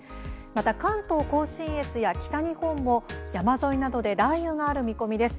また関東甲信越や北日本でも山沿いなどで雷雨がある見込みです。